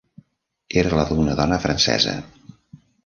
Era la d"una dona francesa.